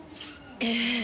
ええ。